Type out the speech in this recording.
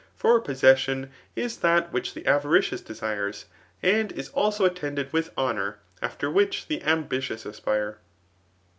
For possession is that which the avaricious desire, and it is aho attended with honour, after which the ambitious aspire.